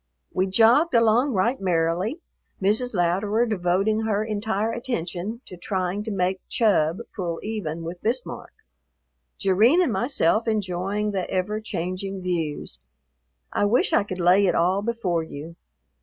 We jogged along right merrily, Mrs. Louderer devoting her entire attention to trying to make Chub pull even with Bismarck, Jerrine and myself enjoying the ever changing views. I wish I could lay it all before you.